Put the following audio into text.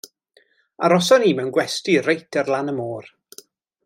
Arhoson ni mewn gwesty reit ar lan y môr.